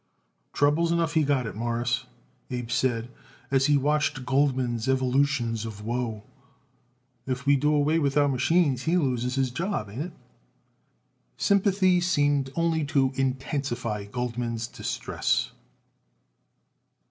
"Troubles enough he got it, Mawruss," Abe said, as he watched Goldman's evolutions of woe. "If we do away with our machines he loses his job; ain't it?" Sympathy seemed only to intensify Goldman's distress.